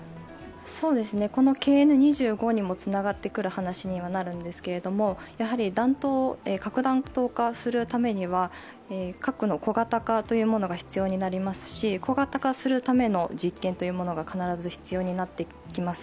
このＫＮ２５にもつながってくる話にはなるんですけれども、核弾頭化するためには、核の小型化が必要になりますし小型化するための実験が必ず必要になってきます。